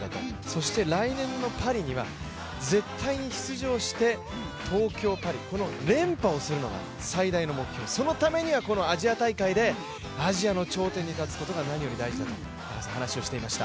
そして、来年のパリには絶対に出場して東京・パリ、この連覇をするのが最大の目標、そのためにはこのアジア大会でアジアの頂点に立つことが何より大事だと話をしていました。